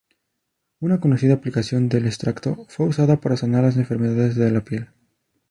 Una conocida aplicación del extracto fue usada para sanar las enfermedades de la piel.